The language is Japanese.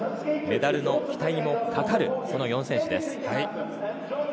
メダルの期待もかかるその４選手です。